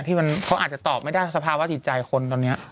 ที่เขาอาจจะตอบไม่ได้สภาวะจิตใจคนตอนนี้